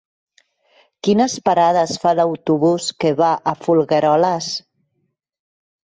Quines parades fa l'autobús que va a Folgueroles?